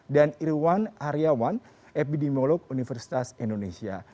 dan irwan aryawan epidemiolog universitas indonesia